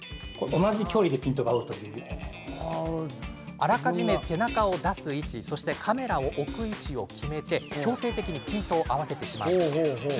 あらかじめ背中を出す位置カメラを置く位置を決め強制的にピントを合わせてしまうんです。